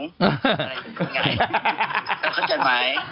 อะไรถึงรีน่าจังไหม